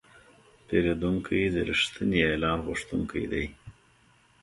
پیرودونکی د رښتیني اعلان غوښتونکی دی.